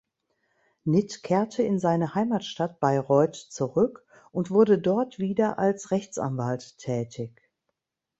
Nitt kehrte in seine Heimatstadt Bayreuth zurück und wurde dort wieder als Rechtsanwalt tätig.